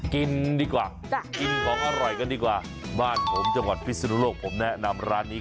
กินดีกว่ากินของอร่อยกันดีกว่าบ้านผมจังหวัดพิศนุโลกผมแนะนำร้านนี้